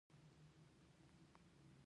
افغانستان له وحشي حیواناتو څخه ډک هېواد دی.